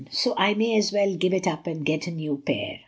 So I may as well give it I up and get a new pair.